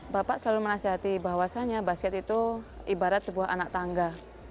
bapak selalu menasihati bahwasannya basket itu ibarat sebuah anak tangga